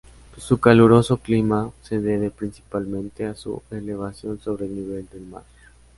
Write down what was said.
Su caluroso clima se debe, principalmente, a su elevación sobre el nivel del mar.